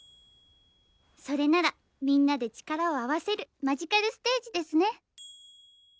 それならみんなで力を合わせるマジカルステージですね。